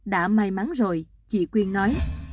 đã may mắn rồi chị quyên nói